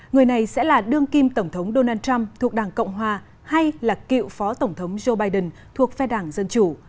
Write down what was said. người này sẽ là đương kim tổng thống donald trump thuộc đảng cộng hòa hay là cựu phó tổng thống joe biden thuộc phe đảng dân chủ